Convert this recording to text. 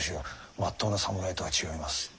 まっとうな侍とは違います。